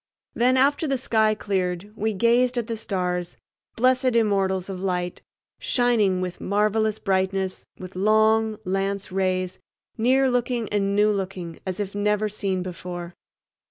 Then, after the sky cleared, we gazed at the stars, blessed immortals of light, shining with marvelous brightness with long lance rays, near looking and new looking, as if never seen before.